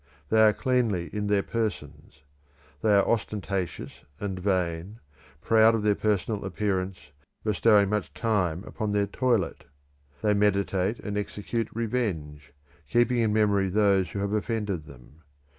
They are cleanly in their persons. They are ostentatious and vain, proud of their personal appearance, bestowing much time upon their toilet. They meditate and execute revenge, keeping in memory those who have offended them.